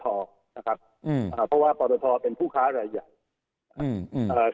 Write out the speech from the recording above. เพราะว่าปอตทเป็นผู้ค้าหลายอย่าง